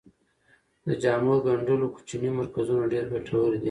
د جامو ګنډلو کوچني مرکزونه ډیر ګټور دي.